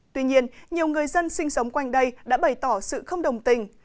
tuy nhiên nhiều người dân sinh sống quanh đây đã bày tỏ sự không đồng tình